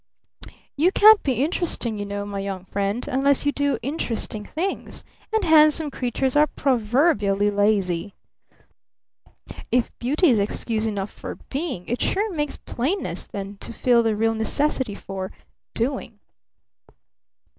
You can't be interesting, you know, my young friend, unless you do interesting things and handsome creatures are proverbially lazy. Humph! If Beauty is excuse enough for Being, it sure takes Plainness then to feel the real necessity for Doing.